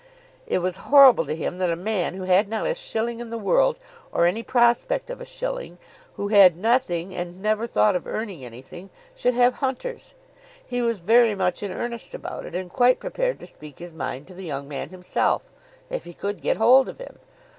It was horrible to him that a man who had not a shilling in the world or any prospect of a shilling, who had nothing and never thought of earning anything, should have hunters! He was very much in earnest about it, and quite prepared to speak his mind to the young man himself, if he could get hold of him.